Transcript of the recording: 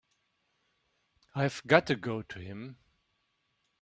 I've got to go to him.